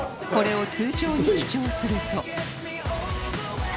これを通帳に記帳すると